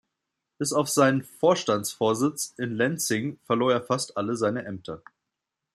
Bis auf seinen Vorstandsvorsitz in Lenzing verlor er fast alle seine Ämter.